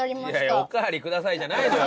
「おかわりください」じゃないのよ